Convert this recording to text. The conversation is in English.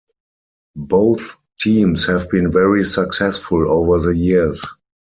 Both teams have been very successful over the years.